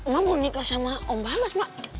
mak mau nikah sama om bagus mak